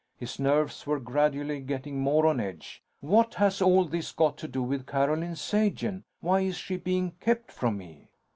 His nerves were gradually getting more on edge. "What has all this got to do with Carolyn Sagen? Why is she being kept from me?"